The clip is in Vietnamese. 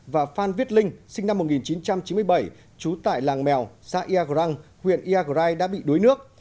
và phan viết linh sinh năm một nghìn chín trăm chín mươi bảy trú tại làng mèo xã iagrang huyện iagrai đã bị đuối nước